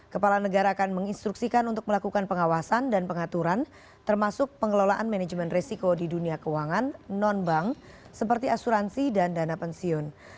kepala negara akan menginstruksikan untuk melakukan pengawasan dan pengaturan termasuk pengelolaan manajemen resiko di dunia keuangan non bank seperti asuransi dan dana pensiun